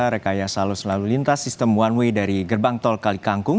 rekayasa lalu selalu lintas sistem one way dari gerbang tol kalikangkung